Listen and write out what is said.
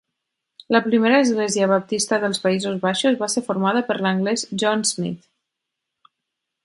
La primera església baptista dels Països Baixos va ser formada per l'anglès John Smyth.